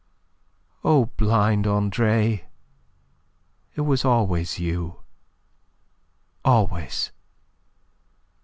"O blind Andre, it was always you always!